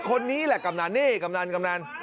คนนี้แหละกำนันนี่กำนัน